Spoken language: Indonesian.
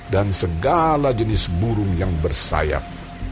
dan segala jenis burung yang bersayap